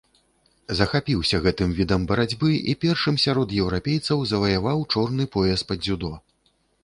Захапіўся гэтым відам барацьбы і першым сярод еўрапейцаў заваяваў чорны пояс па дзюдо.